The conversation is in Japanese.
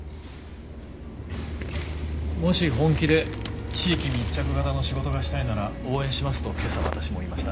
もし本気で地域密着型の仕事がしたいなら応援しますと今朝私も言いました。